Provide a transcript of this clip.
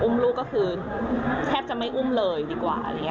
อุ้มลูกก็คือแทบจะไม่อุ้มเลยดีกว่าอะไรอย่างเงี้ย